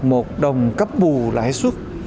một đồng cấp bù lãi xuất